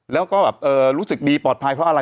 แล้วก็แบบรู้สึกดีปลอดภัยเพราะอะไร